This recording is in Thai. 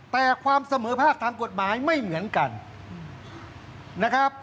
แต่ความเสมอภาคทางกฎหมายไม่เหมือนกันนะครับ